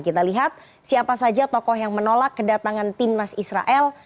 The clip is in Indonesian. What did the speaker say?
kita lihat siapa saja tokoh yang menolak kedatangan timnas israel